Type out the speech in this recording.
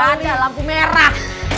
gak ada lampu merah